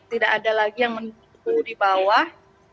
tidak ada lagi yang menunggu di bawah